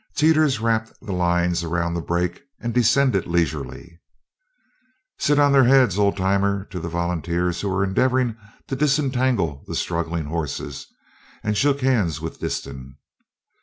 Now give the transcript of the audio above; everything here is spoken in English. Teeters wrapped the lines around the brake and descended leisurely. "Set on their heads, Old Timers" to the volunteers who were endeavoring to disentangle the struggling horses and shook hands with Disston.